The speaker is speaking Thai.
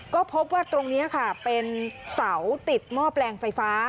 ก็พบว่าตรงนี้ค่ะเป็นเสาติดหม้อแปลงไฟฟ้า